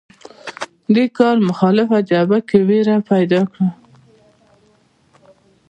دې کار مخالفه جبهه کې وېره پیدا کړه